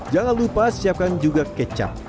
jangan lupa siapkan juga kecap